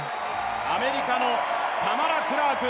アメリカのタマラ・クラーク